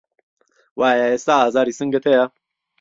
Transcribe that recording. وه ئایا ئێستا ئازاری سنگت هەیە